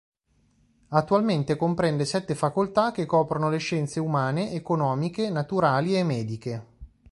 Attualmente comprende sette facoltà che coprono le scienze umane, economiche, naturali e mediche.